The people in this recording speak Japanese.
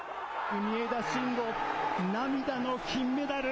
国枝慎吾、涙の金メダル。